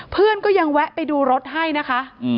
เพื่อนก็ยังแวะไปดูรถให้นะคะ